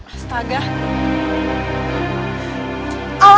nah mijikan kepala